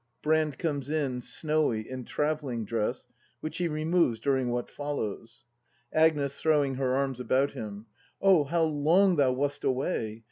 Brand comes in, sncnvy, in travelling dress, which he re moves during what follows. Agnes. [Throwing her arms about him.] Oh, how long thou wast away!